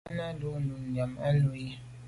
Nu Nana nu am à nu i.